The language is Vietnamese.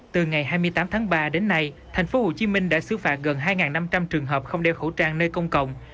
từ ngày hai mươi tám tháng ba đến nay thành phố hồ chí minh đã xứ phạt gần hai năm trăm linh trường hợp không đeo khẩu trang nơi công cộng